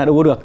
đâu có được